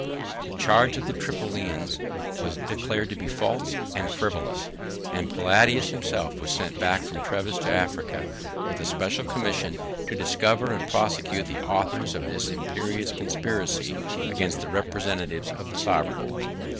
The charge of the Tripolitans was declared to be false and frivolous; and Palladius himself was sent back from Treves to Africa, with a special commission to discover and prosecute the authors of this impious conspiracy against the representatives of the sovereign.